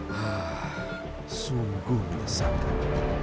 haah sungguh menyesalkan